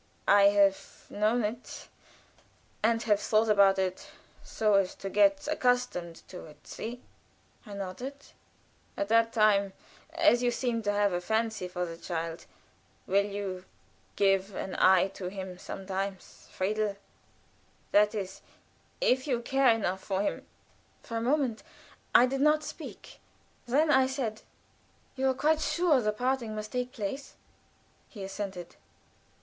"I have known it and have thought about it so as to get accustomed to it see?" I nodded. "At that time as you seem to have a fancy for the child will you give an eye to him sometimes, Friedel that is, if you care enough for me " For a moment I did not speak. Then I said: "You are quite sure the parting must take place?" He assented.